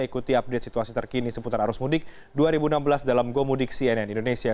ikuti update situasi terkini seputar arus mudik dua ribu enam belas dalam gomudik cnn indonesia